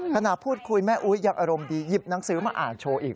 ขณะพูดคุยแม่อุ๊ยยังอารมณ์ดีหยิบหนังสือมาอ่านโชว์อีก